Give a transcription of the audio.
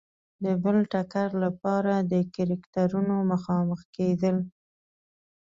د بل ټکر لپاره د کرکټرونو مخامخ کېدل.